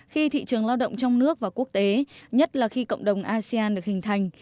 khi thị trường lao động trong nước và quốc tế nhất là khi cộng đồng asean được hình thành